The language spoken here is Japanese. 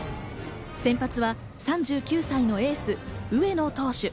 先発は３９歳のエース・上野投手。